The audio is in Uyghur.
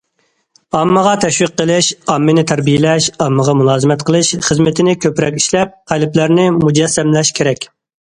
ئاممىغا تەشۋىق قىلىش، ئاممىنى تەربىيەلەش، ئاممىغا مۇلازىمەت قىلىش خىزمىتىنى كۆپرەك ئىشلەپ، قەلبلەرنى مۇجەسسەملەش كېرەك.